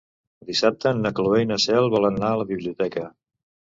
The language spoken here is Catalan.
Dissabte na Cloè i na Cel volen anar a la biblioteca.